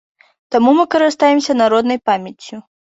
Таму мы карыстаемся народнай памяццю.